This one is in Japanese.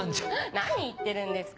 何言ってるんですか。